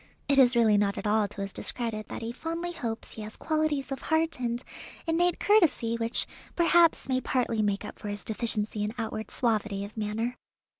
It is really not at all to his discredit that he fondly hopes he has qualities of heart and innate courtesy which perhaps may partly make up for his deficiency in outward suavity of manner.